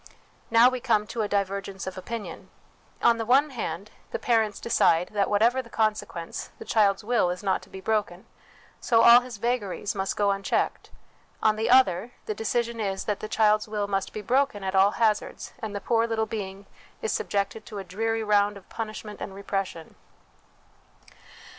Now we come to a divergence of opinion : on the one hand, the parents decide that, whatever the consequence, the child's will is not to be broken, so all his vagaries must go un checked ; on the other, the decision is, that the child's will must be broken at all hazards, and the poor little being is subjected to a dreary round of punishment and repression.